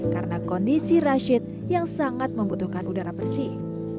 karena kondisi rashid yang sangat membutuhkan udara bersih